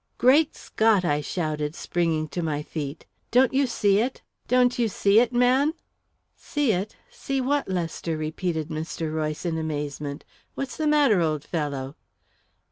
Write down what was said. "Great Scott!" I shouted, springing to my feet. "Don't you see it? Don't you see it, man?" "See it? See what, Lester?" repeated Mr. Royce, in amazement. "What's the matter, old fellow?"